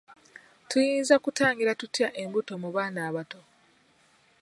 Tuyinza kutangira tutya embuto mu baana abato?